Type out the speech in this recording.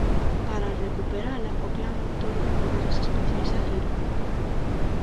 Para recuperala o clan outorga poderes especiais a Hiro.